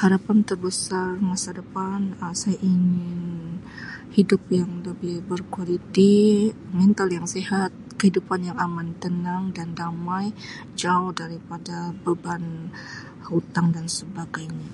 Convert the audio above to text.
Harapan terbesar masa depan Um saya ingin hidup yang lebih berkualiti mental yang sihat, kehidupan yang aman, tenang dan damai, jauh daripada beban hutang dan sebagainya.